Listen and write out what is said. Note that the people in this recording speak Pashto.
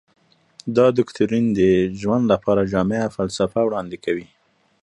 دا دوکتورین د ژوند لپاره جامعه فلسفه وړاندې کوي.